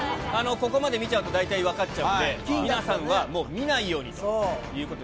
ここまで見ちゃうと大体分かっちゃうんで、皆さんは、もう見ないようにということで。